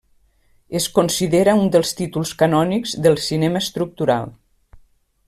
Es considera un dels títols canònics del cinema estructural.